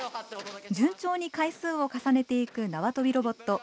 順調に回数を重ねていく縄跳びロボット。